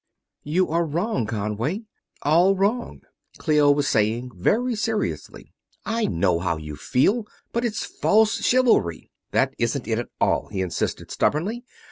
"You are wrong, Conway; all wrong," Clio was saying, very seriously. "I know how you feel, but it's false chivalry." "That isn't it, at all," he insisted, stubbornly.